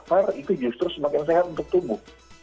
far itu justru semakin sehat untuk tubuh